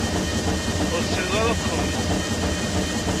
Ur tesɛiḍ ara txedmeḍ?